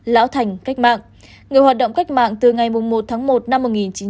lão thành cách mạng người hoạt động cách mạng từ ngày một tháng một năm một nghìn chín trăm bốn mươi năm